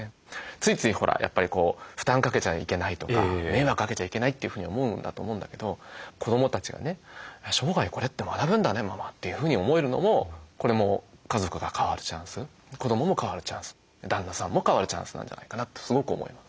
ついついほらやっぱり負担かけちゃいけないとか迷惑かけちゃいけないというふうに思うんだと思うんだけど子どもたちがね「生涯これって学ぶんだねママ」というふうに思えるのもこれも家族が変わるチャンス子どもも変わるチャンス旦那さんも変わるチャンスなんじゃないかなとすごく思います。